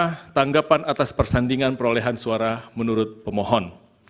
apa tanggapan atas persandingan perolehan suara menurut pemohon